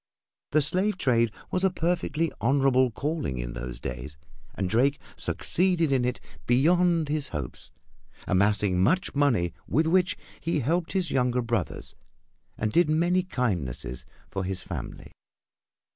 The slave trade was a perfectly honorable calling in those days, and Drake succeeded in it beyond his hopes, amassing much money with which he helped his younger brothers and did many kindnesses for his family.